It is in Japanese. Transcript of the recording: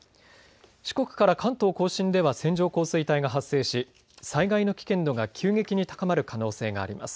四国から関東甲信では線状降水帯が発生し災害の危険度が急激に高まる可能性があります。